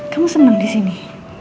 kamu seneng disini